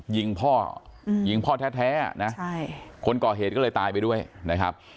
ยิงพ่อยิงพ่อแท้นะคนก่อเหตุก็เลยตายไปด้วยนะครับ